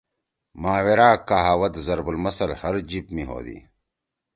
محاورہ، کہاوت، ضرب المثل ہر جیِب می ہودی۔